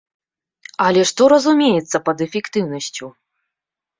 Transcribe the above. Але што разумеецца пад эфектыўнасцю?